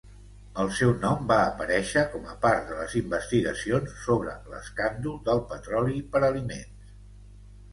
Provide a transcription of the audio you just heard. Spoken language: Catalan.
El seu nom va aparèixer com a part de les investigacions sobre l'escàndol del petroli per aliments.